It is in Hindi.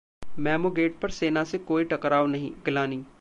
मेमोगेट पर सेना से कोई टकराव नहीं: गिलानी